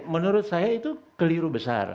menurut saya itu keliru besar